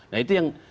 nah itu yang